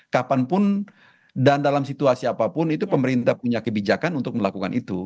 kapanpun dan dalam situasi apapun itu pemerintah punya kebijakan untuk melakukan itu